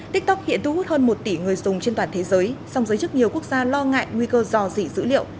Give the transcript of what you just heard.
tiktok hiện thu hút hơn một tỷ người dùng trên toàn thế giới song giới chức nhiều quốc gia lo ngại nguy cơ dò dỉ dữ liệu